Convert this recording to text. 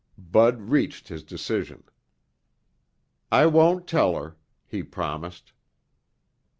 Bud reached his decision. "I won't tell her," he promised.